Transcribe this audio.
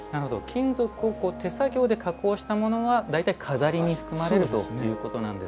金属を手作業で加工したものは大体錺に含まれるということなんですか。